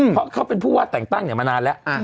เพราะเขาเป็นผู้ว่าแต่งตั้งมานานแล้ว